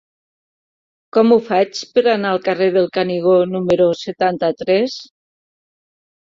Com ho faig per anar al carrer del Canigó número setanta-tres?